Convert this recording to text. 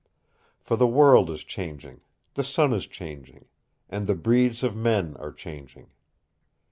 For the world is changing, the sun is changing, and the breeds of men are changing.